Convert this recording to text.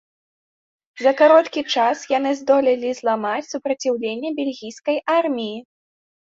За кароткі час яны здолелі зламаць супраціўленне бельгійскай арміі.